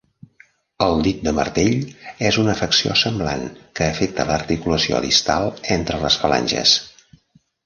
El dit de martell és una afecció semblant que afecta l'articulació distal entre les falanges.